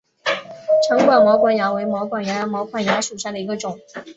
长管毛管蚜为毛管蚜科毛管蚜属下的一个种。